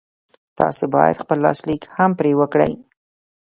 تاسې بايد خپل لاسليک هم پرې وکړئ.